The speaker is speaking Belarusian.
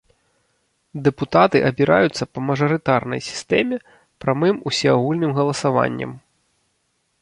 Дэпутаты абіраюцца па мажарытарнай сістэме прамым усеагульным галасаваннем.